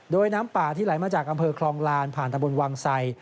โดยน้ำป่าที่ไหลมาจากอำเภอคลองลานผ่านตะบนวังไส